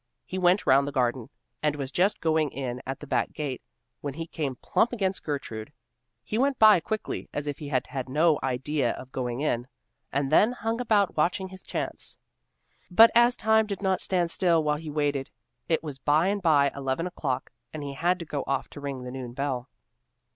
He went round the garden, and was just going in at the back gate, when he came plump against Gertrude. He went by quickly as if he had had no idea of going in; and then hung about watching his chance, but as time did not stand still while he waited, it was bye and bye eleven o'clock, and he had to go off to ring the noon bell.